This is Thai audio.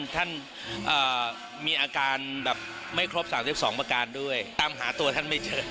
ท่านมีอาการแบบไม่ครบ๓๒ประการด้วยตามหาตัวท่านไม่เจอ